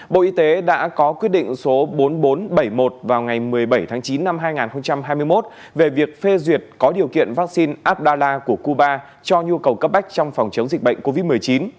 bộ y tế đã có quyết định số bốn nghìn bốn trăm bảy mươi một vào ngày một mươi bảy tháng chín năm hai nghìn hai mươi một về việc phê duyệt có điều kiện vaccine abdallah của cuba cho nhu cầu cấp bách trong phòng chống dịch bệnh covid một mươi chín